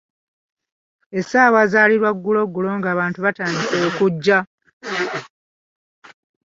Essaawa zaali za lwagguloggulo ng'abantu batandise okugya.